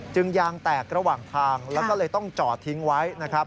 ยางแตกระหว่างทางแล้วก็เลยต้องจอดทิ้งไว้นะครับ